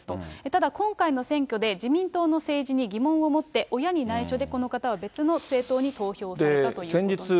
ただ今回の選挙で自民党の政治に疑問を持って、親に内緒でこの方は別の政党に投票されたということです。